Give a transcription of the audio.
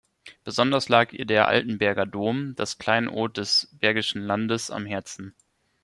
Besonders lag ihr der Altenberger Dom, das Kleinod des Bergischen Landes, am Herzen.